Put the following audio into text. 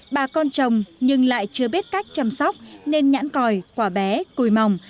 bà con trồng nhưng lại chưa biết cách chăm sóc nên nhãn còi quả bé cùi mỏng